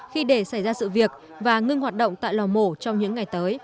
khi để xảy ra sự việc và ngưng hoạt động tại lò mổ trong những ngày tới